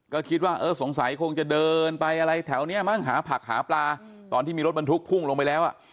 ก็คิดว่าเออสงสัยคงจะเดินไปอะไรแถวนี้มั้งหาผักหาปลาตอนที่มีรถบรรทุกพุ่งลงไปแล้วอ่ะ